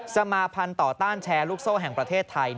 สมาภัณฑ์ต่อต้านแชร์ลูกโซ่แห่งประเทศไทย